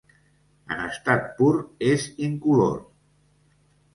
En estat pur és incolor.